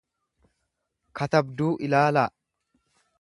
katabduu ilaalaa.